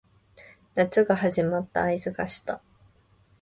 夏が始まった合図がした